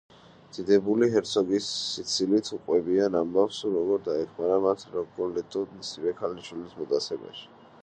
დიდებულები ჰერცოგს სიცილით უყვებიან ამბავს, თუ როგორ დაეხმარა მათ რიგოლეტო მისივე ქალიშვილის მოტაცებაში.